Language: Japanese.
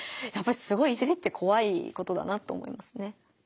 やっぱりすごい「いじり」ってこわいことだなと思いますね。